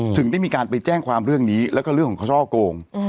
ถึงได้มีการไปแจ้งความเรื่องนี้แล้วก็เรื่องของเขาช่อโกง